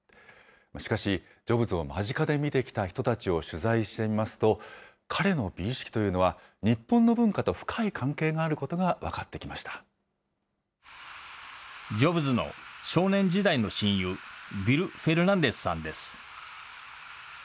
しかし、ジョブズを間近で見てきた人たちを取材してみますと、彼の美意識というのは、日本の文化と深い関係があることが分かってジョブズの少年時代の親友、ビル・フェルナンデスさんです。